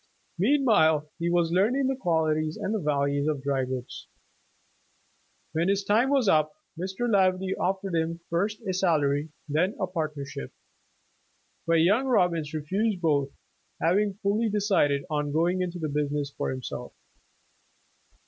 Meanwhile he was learning the qualities and values of dry goods. When his time was up, Mr. Laverty offered him first a salary, then a partnership, but young Bobbins refused both, having fully decided on going into the business for himself.